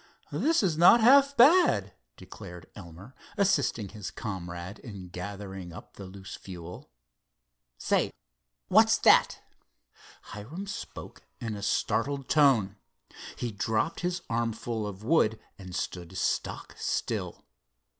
"This is not half bad," declared Elmer, assisting his comrade in gathering up the loose fuel. "Say, what's that?" Hiram spoke in a startled tone. He dropped his armful of wood and stood stock still.